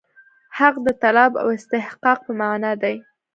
حق د طلب او استحقاق په معنا دی.